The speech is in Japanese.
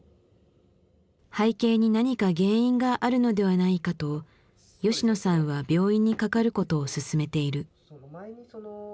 背景に何か原因があるのではないかと吉野さんは病院にかかることを勧めている。